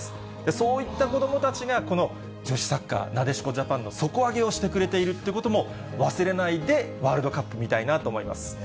そういった子どもたちがこの女子サッカー、なでしこジャパンの底上げをしてくれてるってことも忘れないで、ワールドカップ見たいなと思いますね。